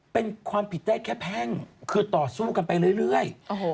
เป็นความผิดได้แค่แพ่งคือต่อสู้กันไปเรื่อย